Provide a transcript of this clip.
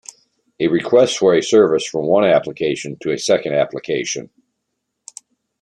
A request for a service from one application to a second application.